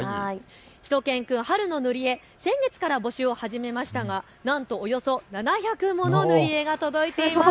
しゅと犬くん春のぬりえ、先月から募集を始めましたがなんとおよそ７００もの塗り絵が届いています。